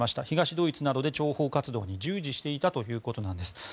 東ドイツなどで諜報活動に従事していたということです。